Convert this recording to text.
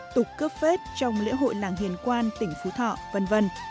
tục cướp vết trong lễ hội làng hiền quan tỉnh phú thọ v v